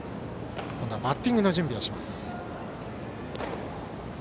今度はバッティングの準備をします。